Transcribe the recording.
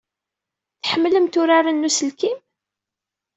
Tḥemmlemt uraren n uselkim?